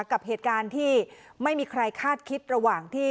กับเหตุการณ์ที่ไม่มีใครคาดคิดระหว่างที่